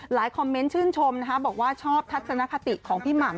คอมเมนต์ชื่นชมนะคะบอกว่าชอบทัศนคติของพี่หม่ำ